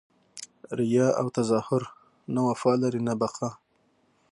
ریاء او تظاهر نه وفا لري نه بقاء!